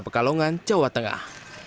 pekalongan jawa tengah